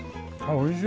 おいしい！